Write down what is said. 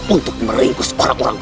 untuk meringkus orang orang